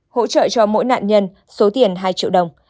hỗ trợ cho mỗi nạn nhân số tiền hai triệu đồng